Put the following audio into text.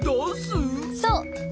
そう！